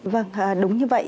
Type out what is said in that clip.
vâng đúng như vậy